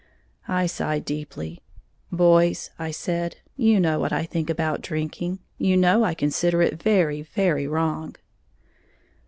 I sighed deeply. "Boys," I said, "you know what I think about drinking; you know I consider it very, very wrong."